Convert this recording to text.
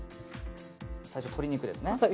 最初、鶏肉ですね。